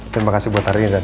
terima kasih buat hari ini